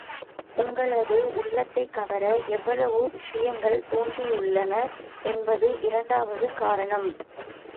உங்களது உள்ளத்தைக் கவர எவ்வளவோ விஷயங்கள் தோன்றியுள்ளன என்பது இரண்டாவது காரணம்.